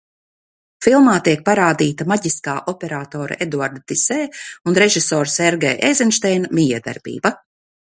Filmā tiek parādīta maģiskā operatora Eduarda Tisē un režisora Sergeja Eizenšteina mijiedarbība.